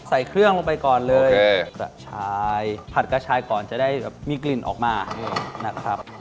ใส่เครื่องลงไปก่อนเลยกระชายผัดกระชายก่อนจะได้มีกลิ่นออกมานะครับ